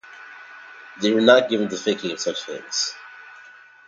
They were not given to thinking of such things.